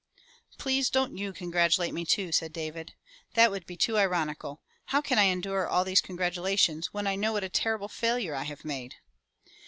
"Please don't you congratulate me too," said David." That would be too ironical. How can I endure all these congratula tions when I know what a terrible failure I have made?"